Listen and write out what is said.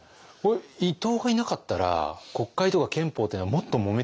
伊藤がいなかったら国会とか憲法っていうのはもっともめてたかもしれない。